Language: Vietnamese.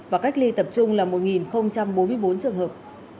và cách ly tập trung là một bốn mươi bốn trường hợp